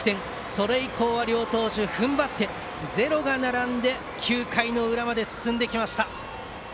それ以降は両投手踏ん張ってゼロが並んで９回の裏まで進んできました。